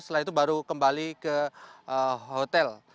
setelah itu baru kembali ke hotel